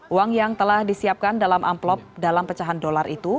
uang yang telah disiapkan dalam amplop dalam pecahan dolar itu